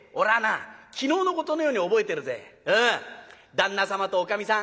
旦那様とおかみさん